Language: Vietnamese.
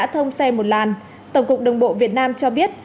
tổng cục đồng bộ việt nam cho biết